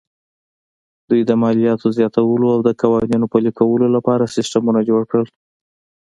دوی د مالیاتو زیاتولو او د قوانینو پلي کولو لپاره سیستمونه جوړ کړل